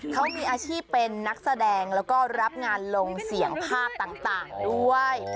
เขามีอาชีพเป็นนักแสดงแล้วก็รับงานลงเสี่ยงภาพต่างด้วย